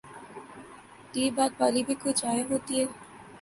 T bag والی بھی کوئی چائے ہوتی ہے؟